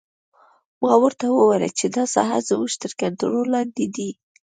ما ورته وویل چې دا ساحه زموږ تر کنترول لاندې ده